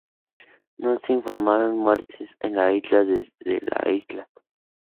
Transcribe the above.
No se informaron muertes en la isla desde la isla.